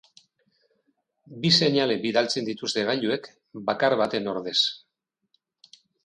Bi seinale bidaltzen dute gailuek, bakar baten ordez.